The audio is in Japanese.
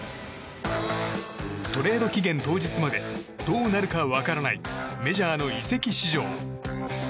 トレード期間当日までどうなるか分からないメジャーの移籍市場。